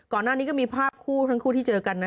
ก่อนหน้านี้ก็มีภาพคู่ทั้งคู่ที่เจอกันนะ